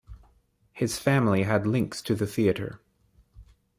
His family had links to the theatre.